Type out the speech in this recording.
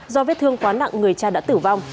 do vết thương quá nặng người cha đã tử vong